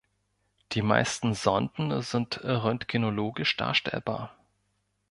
Die meisten Sonden sind röntgenologisch darstellbar.